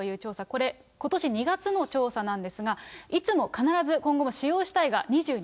これ、ことし２月の調査なんですが、いつも必ず今後も使用したいが２２％。